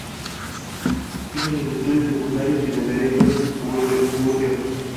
Hizo sus estudios secundarios y de Derecho en Burdeos.